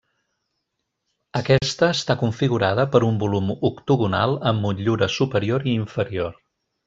Aquesta està configurada per un volum octogonal amb motllura superior i inferior.